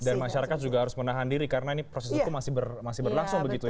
dan masyarakat juga harus menahan diri karena ini proses hukum masih berlangsung begitu ya